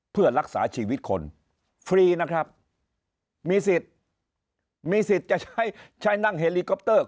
เพื่อรักษาชีวิตคนฟรีนะครับมีสิทธิ์มีสิทธิ์จะใช้ใช้นั่งเฮลิคอปเตอร์